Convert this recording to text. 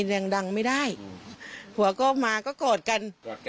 ที่ว่าทางมาก็กลัวกลัวกัน